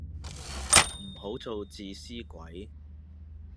唔好做自私鬼